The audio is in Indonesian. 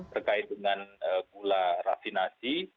terkait dengan gula rafinasi